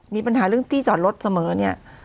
มีปัญหาเรื่องที่จอดรถเสมอเนี่ย